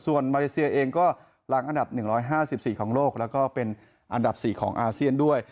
ส่วนมาเลเซียเองก็หลังอันดับ๑๕๔ของโลกแล้วก็เป็นอันดับ๔ของอาเซียนด้วย